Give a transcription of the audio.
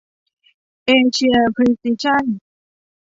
เอเซีย พรีซิชั่น